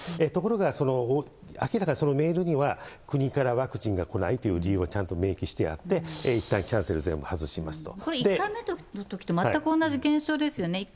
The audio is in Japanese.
ところが明らかにそのメールには、国からワクチンが来ないという理由をちゃんと明記してあって、いったんキャンセル、全部外しますこれ、１回目のときと全く同じ現象ですよね。